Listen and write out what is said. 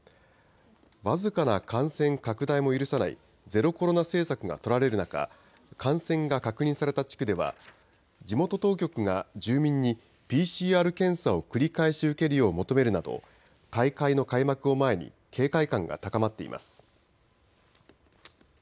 僅かな感染拡大も許さないゼロコロナ政策が取られる中感染が確認された地区では地元当局が住民にＰＣＲ検査を繰り返し受けるよう求めるなど大会の開幕を前に警戒感が高まっています。